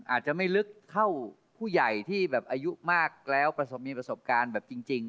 อาจจะไม่ลึกเท่าผู้ใหญ่ที่แบบอายุมากแล้วประสบมีประสบการณ์แบบจริง